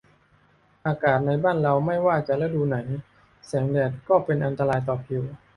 อากาศในบ้านเราไม่ว่าจะฤดูไหนแสงแดดก็เป็นอันตรายต่อผิว